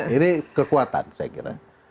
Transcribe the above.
ini kekuatan saya kira